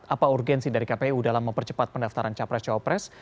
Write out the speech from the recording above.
apa urgensi dari kpu dalam mempercepat pendaftaran capres cawapres